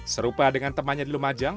serupa dengan temannya di lumajang